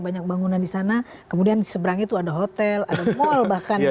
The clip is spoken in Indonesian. banyak bangunan disana kemudian di seberangnya tuh ada hotel ada mall bahkan gitu ya